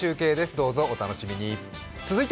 どうぞお楽しみに。